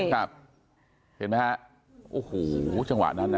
ครับเห็นไหมฮะโอ้โหจังหวะนั้นนะ